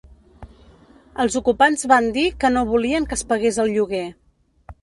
Els ocupants van dir que no volien que es pagués el lloguer.